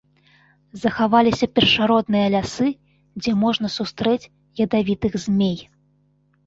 Захаваліся першародныя лясы, дзе можна сустрэць ядавітых змей.